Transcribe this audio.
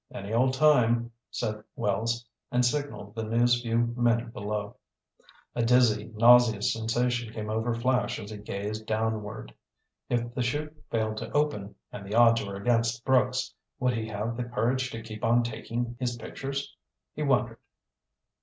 "Any old time," said Wells, and signaled the News Vue men below. A dizzy, nauseous sensation came over Flash as he gazed downward. If the 'chute failed to open—and the odds were against Brooks—would he have the courage to keep on taking his pictures? He wondered.